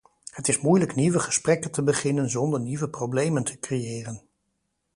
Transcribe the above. Het is moeilijk nieuwe gesprekken te beginnen zonder nieuwe problemen te creëren.